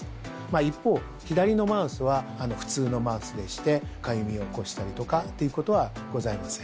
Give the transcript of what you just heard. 一方、左のマウスは普通のマウスでして、かゆみを起こしたりとかっていうことはございません。